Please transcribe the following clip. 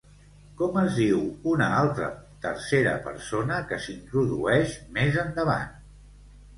Com es diu una altra tercera persona que s'introdueix més endavant?